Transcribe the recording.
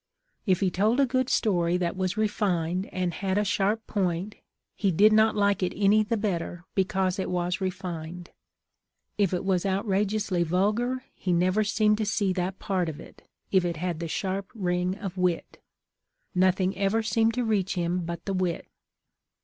If he told a good story that was refined and had a sharp point, he did not like it any the better because it was refined. If it was out rageously vulgar, he never seemed to see that part of it, if it had the sharp ring of wit ; nothing ever reached him but the wit.